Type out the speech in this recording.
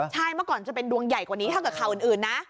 ใช่เมื่อก่อนจะเป็นดวงใหญ่กว่านี้ถ้าเกิดข่าวอื่นนะ